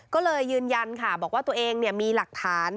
ก็เลยยืนยันค่ะบอกว่าตัวเองมีหลักฐาน